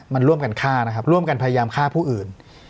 มันร่วมกันฆ่านะครับร่วมกันพยายามฆ่าผู้อื่น